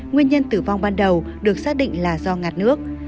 nguyên nhân tử vong ban đầu được xác định là do ngạt nước